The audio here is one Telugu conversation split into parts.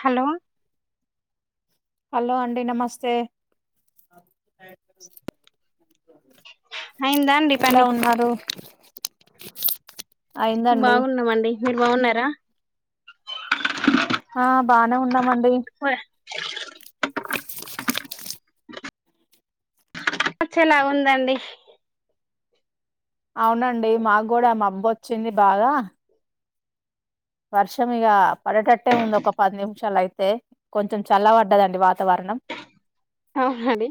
హలో హలో అండి నమస్తే అయిందా అండి ఎలా పని ఉన్నారు అయిందండి బాగున్నామండి మీరు బాగున్నారా ఆ బానే ఉన్నామండి వచ్చేలాగా ఉందండి అవునండి మా గుడా మబ్బొచ్చింది బాగా వర్షం ఇగ పడేటట్టే ఉంది ఒక పది నిమిషాలయి తే కొంచెం చల్ల పడ్డదండి వాతావరణం ఆహ్ అండి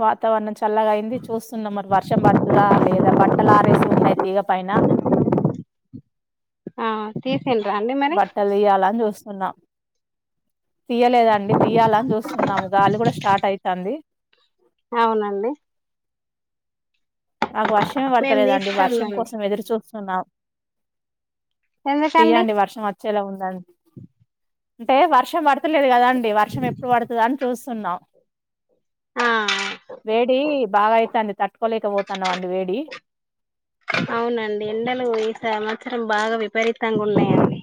వాతావరణం చల్లగాయింది చూస్తున్నా మరి వర్షం పడతదా లేదా బట్టల్ ఆరేసి ఉన్నయి తీగ పైన ఆ తీస్ బట్టల్ తీయాలన్ చూస్తున్నా తీయలేదండి తీయాలన్ చూస్తున్నాము గాలి గుడా స్టార్ట్ అయితాంది. అవునండి మాకు వర్షమే మేము పడతలేదండి వర్షం తీస్తున్నాండి కోసం ఎదురు చూస్తున్నాం ఎందుకండి తీయండి వర్షం వచ్చేలాగ ఉందండి అంటే వర్షం పడ తలేదు కదండి వర్షం ఎప్పుడు పడతదా అన్ చూస్తున్నా ఆ వేడి బాగా అయితాంది తట్టుకోలేకపో అవునండి ఎండలు ఈ సంవత్సరం బాగా విపరీతంగా ఉన్నాయండి.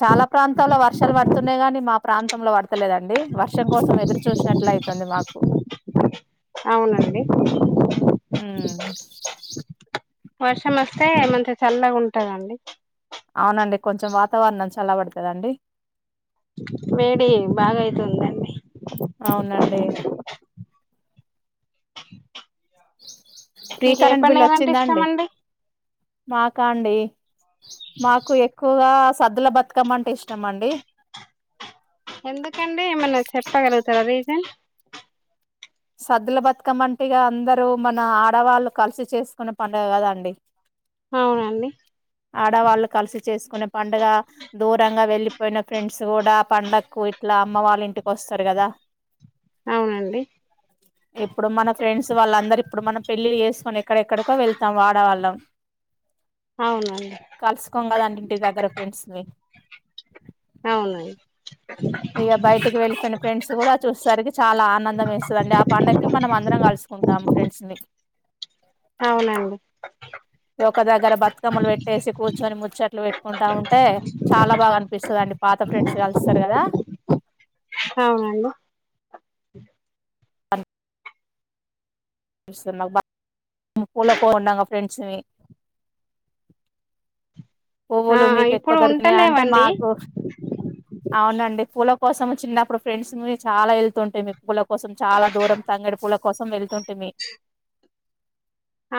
చాలా ప్రాంతాల్లో వర్షాలు పడుతున్నాయి గని మా ప్రాంతంలో పడ తలేదండి వర్షం కోసం ఎదురు చూసినట్లయితుంది మాకు అవునండి హ్మ్ వర్షం వస్తే ఏమంత చల్లగా ఉంటదండి అవునండి కొంచెం వాతావరణం చల్లా పడతదండి. వేడి బాగాయితుందండి. అవునండి ఫ్రీ మీకు ఏ కరెంట్ బిల్ పడుగలంటే వచ్చిందా ఇష్టం అండి? మండి మాకా అండి మాకు ఎక్కువగా సద్దుల బతుకమ్మ అంటే ఇష్టం అండి స సద్దుల బతుకమ్మ అంటిగా అందరూ మన ఆడవాళ్ళు కలిసి చేసుకునే పండుగ కదండి అవునండి ఆడవాళ్ళు కలిసి చేసుకునే పండుగ దూరంగా వెళ్లిపోయిన ఫ్రెండ్స్ కూడా చేసుకునే పండగకు ఇట్లా అమ్మ వాళ్ళ ఇంటికి వస్తారు కదా అవునండి ఇప్పుడు మన ఫ్రెండ్స్ వాళ్ళందరు ఇప్పుడు మన పెళ్లి చేసుకొని ఎక్కడెక్కడికో వెళ్తాం ఆడవాళ్ళం అవునండి కలుసుకోం కద ఇంటి దగ్గర ఫ్రెండ్స్ని అవును ఇగా బయటికి వెళ్ళిపోయిన ఫ్రెండ్స్ కూడా చూసేసరికి చాలా ఆనందం ఏస్తధండి ఆ పండుగకి మనం అందరం కలూసు కుంటాం ఫ్రెండ్స్ ని అవునండి ఒక దగ్గర బతుకమ్మలు పెట్టేసి కూర్చొని ముచ్చట్లు పెట్టుకుంటా ఉంటే చాలా బాగా అనిపిస్తుందాండి పాత ఫ్రెండ్స్ కలుస్తారు కదా అవునండి [unintelligible] ఫ్రెండ్స్ నీ ఆ పువ్వులు మీకు ఎక్కువ ఇప్పుడు దొరికినాయి అంటే ఉంటలేవండి మాకు అవునండి పూల కోసం చిన్నప్పుడు ఫ్రెండ్స్నీ చాలా వెళ్తుంటీమీ మీకు పూల కోసం చాలా దూరం తంగడు పూల కోసం వెళ్తుంటిమీ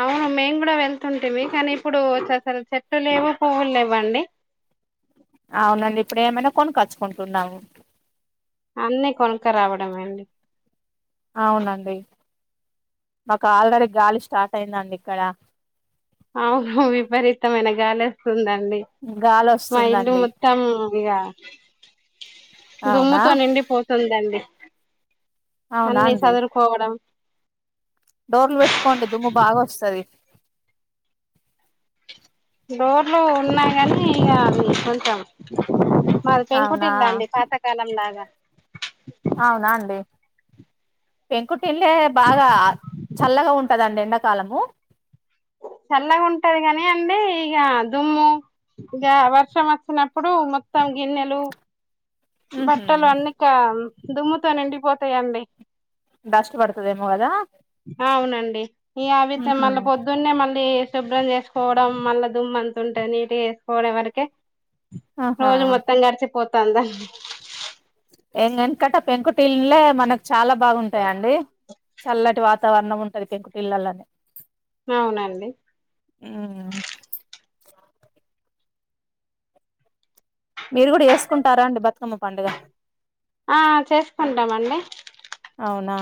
అవును మేము కూడా వెళ్తుంటిమీ కానీ ఇప్పుడు అసలు చెట్లు లేవు పువ్వులు లేవ్వండి అవునండి ఇప్పుడు ఏమైనా కొనుక్కచ్చుకుంటున్నాము అన్నీ కొనుక రావడమే అండి అవునండి మాకు ఆల్రెడీ గాలి స్టార్ట్ అయిందండి ఇక్కడ అవును విపరీతమైన గాలీ అస్తుంది అం డి గాలి మా ఇల్లు వస్తుందండి మొత్తం ఇగా అవునా దుమ్ముతో నిండి పోతుందండి అవునా అన్ని అండి సదరుకోవడం డోర్లు పెట్టుకోండి దుమ్ము బాగా వోస్తది డోర్లు ఉన్నాయి కానీ ఇగా కొంచెం మాది అవునా పెంకుటిళ్ళు అండి పాతకాలం లాగా అవునా అండి పెంకు ఇళ్ళే బాగా చల్లగా ఉంటదండి ఎండాకాలము చల్లగా ఉంటది కాని అండి ఇక దుమ్ము ఇక వర్షం వచ్చినప్పుడు మొత్తం గీన్నెలు ఉహు బట్టలు అన్ని దుమ్ముతో నిండిపోతాయండి డస్ట్ పడుతది ఏమో కదా ఈ అవితే ఉహు మళ్ళ పొద్దున్నే మళ్ళీ శుభ్రం చేసుకోవడం మళ్ళా దుమ్మ అంత ఉంటాంది నీటుగా చేసుకోవడం వరకే ఆహా రోజు మొత్తం గడిచిపోతాందా ఏంది వెనాకట పెంకుటీలులే మనకు చాలా బాగుంటాయంండి చల్లటి వాత వాతావరణం ఉంటది పెంకుటిల్లల్లోనే అవునండి ఉమ్మ్ మీరు కూడా చేసుకుంటారాండి బతుకమ్మ పండుగ ఆ చేసుకుంటామండి అవునా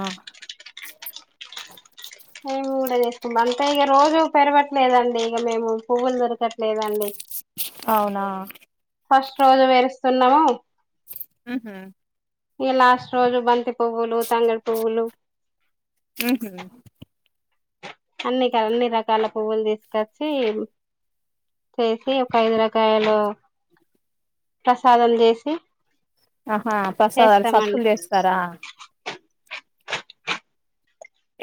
మేము కూడా చేస్తాం అంతే ఇక రోజు పెరవట్లేదండి ఇక మేము పువ్వులు దొరకట్లేదండి అవునా ఫస్ట్ రోజు పేరుస్తున్నాము మ్మ్ఉహ్మ్ ఇగ లాస్ట్ రోజు బంతి పువ్వులు తంగడి పువ్వులు ఉహు అన్ని అన్ని రకాల పువ్వులు తీసుకొచ్చి చేసి ఒక ఐదు రకాయలు ప్రసాదాలు చేసి ఆహా ప్రసాదాలు చేస్తామండి సప్తులు చేస్తారా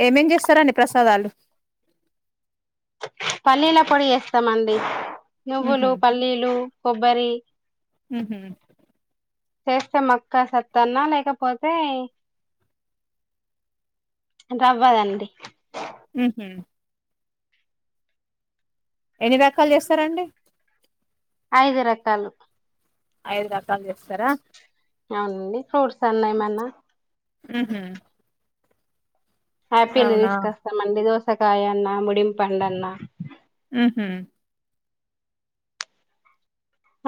ఏమేం చేస్తారాండి ప్రసాదాలు పల్లీల పొడి చేస్తామండి ఉహు నువ్వులు పల్లీలు కొబ్బరి మ్మ్ఉహ్మ్ చేస్తే మక్క సత్తన్నా లేకపోతే రావ్వదండి ఉహు ఎన్ని రకాలు చేస్తారండి ఐదు రకాలు ఐదు రకాలు చేస్తారా అవునండి ఫ్రూట్స్ అన్నా ఏమన్నా మ్మ్ఉహ్మ్ ఆపిల్ తీసుకొస్తామండి దోసకాయ అన్న ముడింపండన్నా మ్మ్ఉహ్మ్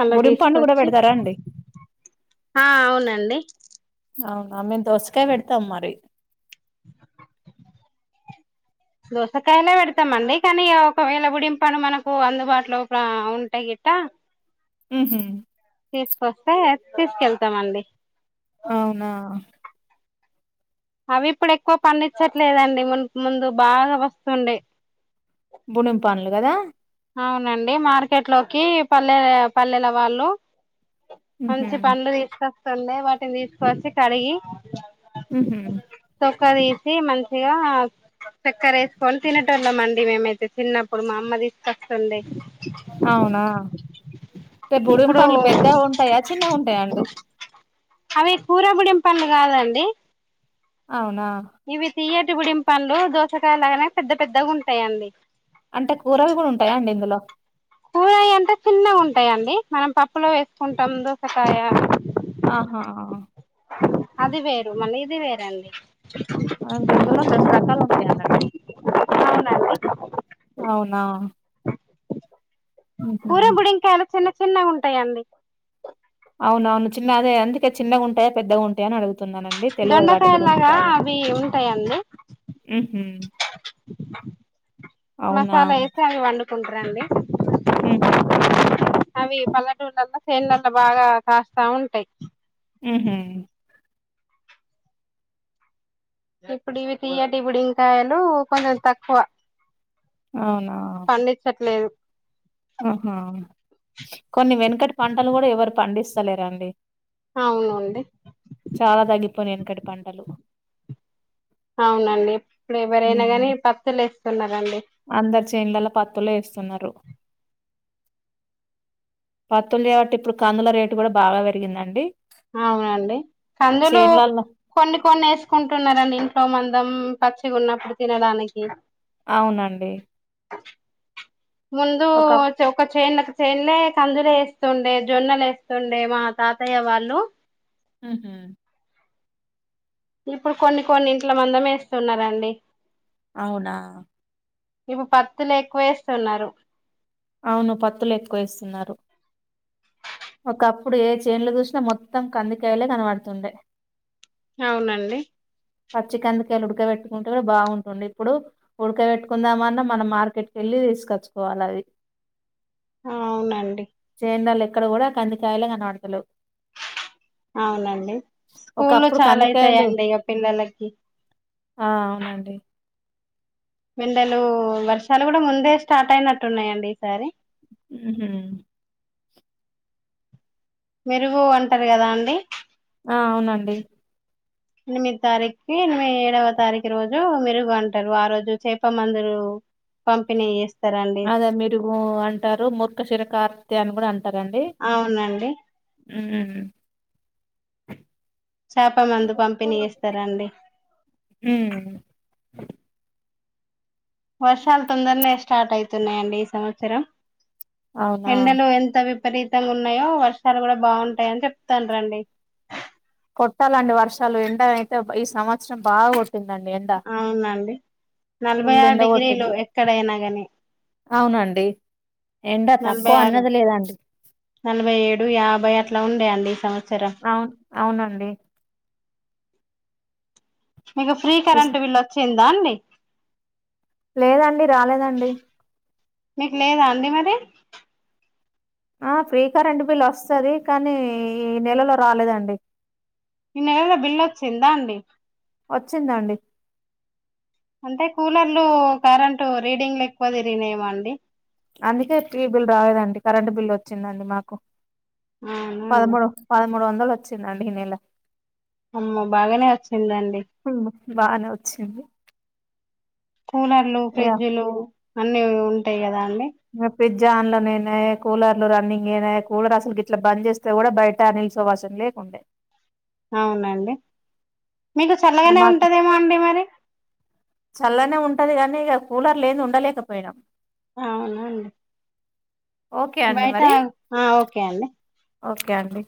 అలా బుడిం పండు కూడా తీసుకొచ్చి పెడతారా అండి ఆ అవునండి అవునా మేము దోసకాయ పెడతాం మరి దోసకాయలే పెడతామండి కానీ ఒకవేళ గుడింపను మనకు అందుబాటులో ఒక ఉంటే మ్మ్ఉహ్మ్ తీసుకొస్తే తీసుకెళ్తామండి అవునా అవి ఇప్పుడు ఎక్కువ పండించట్లేదండి ము ముందు బాగా వస్తుండే బుణింపండ్లు కదా అవునండి మార్కెట్లోకి పల్లె పల్లెలవాళ్ళు ఉహు మంచి పండ్లు తీసుకొస్తుండే వాటిని తీసుకొచ్చి కడిగి మ్మ్ఉహ్మ్ క తీసి మంచిగా చక్కెర ఏసుకొని తినేటోళ్ళమండి మేమైతే చిన్నప్పుడు మా అమ్మ తీసుకొస్తుండే అవునా టే ఇప్పుడు బుడుంపండ్లు పెద్దవుంటాయా చిన్నగుంటయాండి అవి కూర బుడింపండ్లు కాదండి అవునా పుట్టిబడింపండ్లు దోసకాయలుగానే పెద్ద పెద్దగా ఉంటాయండి అంటే కూరలు కూడా ఉంటాయాండి ఇందులో కూరయి అంటే చిన్నగా ఉంటాయంండి మనం పప్పులో వేసుకుంటాం దోసకాయ ఆహా అది వేరు మళ్ళీ ఇది వేరండి అ ఇంకేదులో రెండు రకాలు ఉంటాయి అన్నట్టు అవునండి కరెక్ట్ అవునా ఉహు కూర బుడింకాయలు చిన్న చిన్నగా ఉంటాయండి అవునవును చిన్న అదే అందుకే చిన్నగుంటాయా పెద్ద ఉంటాయా అని అడుగుతా తున్నానండి తెలువదు వాటి గురించి దొండకాయలాగా బాగా అవి ఉంటాయండి మ్మ్ హు మసాలా వేసి అవి వండుకుంటారండి మ్మ్ హు అవి పల్లెటూళ్ళలో సేనులలో బాగా కాస్తా ఉంటాయి మ్మ్ హు ఇప్పుడు ఇవి తీయటి బుడంకాయలు కొంచెం తక్కువ పండించట్లేదు మ్మ్ హు కొన్ని వెనుకటి పంటలు కూడా ఎవరు పండిస్థాలేరండి అవునండి చాలా తగ్గిపోనా వెనకడి పంటలు అవునండి ఇప్పుడు ఎవరయినా ఉమ్ కానీ పత్తులు వేస్తున్నరండి అందరు చేన్లలో పత్తులు వేస్తున్నారు పత్తులు లేవు కాబట్టి ఇప్పుడు కందుల రేటు కూడా బాగా పెరిగిందండి అవునండి కందులు చేన్లల్లో కొన్ని కొన్ని వేసుకుంటున్నారండి ఇంట్లో మంది పచ్చిగా ఉన్నప్పుడు తినడానికి అవునండి ముందు ఒకప్ ఒక చేన్లకీ చేన్లో కందులు వేస్తుండే జొన్నలు వేస్తుండే మా తాతయ్య వాళ్ళు మ్మ్ హు ఇప్పుడు కొన్ని కొన్ని ఇంట్ల మందమే వేస్తున్నారండి అవునా ఇపు పత్తులు ఎక్కువేస్తున్నారు అవును పత్తులు ఎక్కువేస్తున్నారు ఒకప్పుడు ఏ చేన్లో చూసినా మొత్తం కందికాయలే కనబడుతుండే అవునండి పచ్చి కందికాయలు ఉడకబెట్టుకుంటే బాగుంటుండు ఇప్పుడు ఉడకబెట్టుకుందామన్న మనం మార్కెట్కెల్లి వెళ్ళి లీవ్ తీసుకొచ్చుకోవాలి అది అవునండి అక్కడ కూడా కందికాయలే కనబడతలేవు అవునండి స్కూల్లో ఒకప్పుడు చాలా కందికాయలు అయితాయండి ఇగ పిల్లలకి ఆ అవునండి ఎండలు వర్షాలు కూడా ముందే స్టార్ట్ అయినట్టున్నాయండి ఈసారి ఉమ్మ్ హు మెరుగు అంటారు కదా అండి ఆ అవునండి ఎనిమిది తారీక్కి ఎనిమిది ఏడవ తారీఖు రోజు మెరుగు అంటారు ఆ రోజు చేప మందురు పంపిణీ చేేస్ అద మీరుగు అంటారు మూర్ఖశిర కార్తె అని కూడా అంట అవునండి చేప మందు ఉ పంపిణీ చేస్తారండి హు వర్షాలు తొందరనే స్టార్ట్ అవుతున్నాయండి ఈ సంవత్సరం అవునా ఎండలు ఎంత [unintelligible] విపరీతంగా ఉన్నాయో వర్షాలు కూడ బాగుంటాయని [unintelligible] కొట్టాలండి వర్షాలు ఎండ అయితే ఈ సంవత్సరం బాగ అవునండి నలభై ఫుల్ ఆరు ఎండ డిగ్రీలు కొట్టింది ఎక్కడైనా కాని అవునండి ఎండ నలభై తక్కువ ఆరు అన్నది లేదండి నలభై ఏడు యాభై అట్ల ఉండేయండి అవును అవునండి మీకు ఫ్రీ ఇస్- కరెంట్ బిల్ వచ్చింద అండి లేదండి రాలేదండి మీకు లేదా అండి మరి ఆ ఫ్రీ కరెంట్ బిల్ వస్తది కానీ ఈ నెలలో రాలేదండి ఈ నెలలో బిల్లు వచ్చిందా అండి వచ్చిందండి అంటే కూలర్లు కరెంటు రీడింగ్లు ఎక్కువ తిరిగినయేమో నండి అందుకే ఫ్రీ బిల్ రదండి కరెంటు బిల్ వచ్చిందండి మాకు అవునా అండి మూడు వందలు వచ్చింది అండి ఈ నెల అమ్మో బాగానే వచ్చిందండి బానే వచ్చింది కూలర్లు ఇగ ఫ్రిడ్జ్లు అన్నీ ఉంటాయి కదా అండి ఇంగ ఫ్రిడ్జ్ ఆన్లోనేనే కూలర్ రన్నింగ్ ఏనా కూలర్ అసలు ఇట్లా బంద్ చేస్తే కూడా బయట అనిల్ సు వాషన్ లేకుండే అవునండి మీకు ఇగ చల్లగానే మాకు ఉంటదేమో అండి మరి చల్లనే ఉంటది కానీ ఇక కూలర్లు లెంది ఉండలేకపోయినాం అవున అండి ఓకే అండి మరి బయట ఓకే అండి